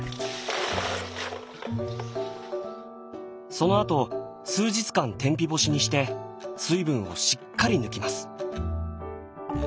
そのあと数日間天日干しにして水分をしっかり抜きます。